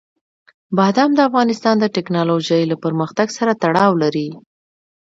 بادام د افغانستان د تکنالوژۍ له پرمختګ سره تړاو لري.